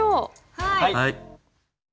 はい。